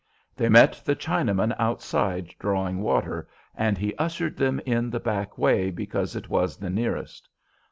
They met the Chinaman outside drawing water, and he ushered them in the back way because it was the nearest.